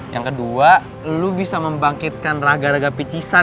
yang kedua lu bisa membangkitkan raga raga picisan